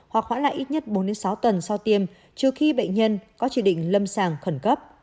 hoặc hoãn lại ít nhất bốn sáu tuần sau tiêm trừ khi bệnh nhân có chỉ định lâm sàng khẩn cấp